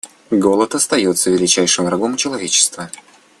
Голод остается величайшим врагом человечества.